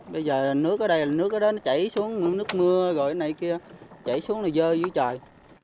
bây giờ nước ở đây nước đó nó chảy xuống nước mưa rồi này kia chảy xuống là dơ dưới trời